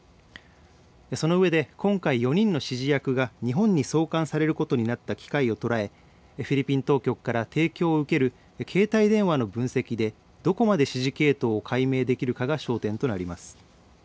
そのうえで今回、４人の指示役が日本に送還されることになった機会を捉えフィリピン当局から提供を受ける携帯電話の分析でどこまで指示系統が解明できるかが焦点となります。